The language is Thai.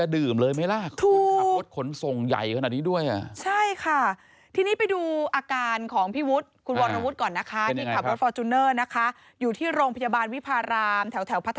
ดูสิถูกแต่มันไม่ควรจะดื่มเลยไหมล่ะ